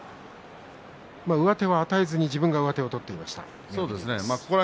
上手を与えずに自分が取っていました。